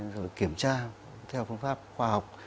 rồi kiểm tra theo phương pháp khoa học